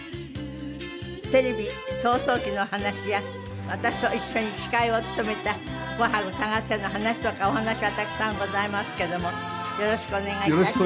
テレビ草創期の話や私と一緒に司会を務めた『紅白歌合戦』の話とかお話はたくさんございますけどもよろしくお願い致します。